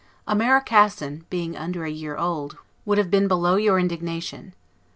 A Maracassin, being under a year old, would have been below your indignation.